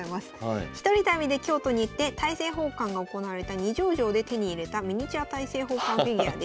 １人旅で京都に行って大政奉還が行われた二条城で手に入れたミニチュア大政奉還フィギュアです。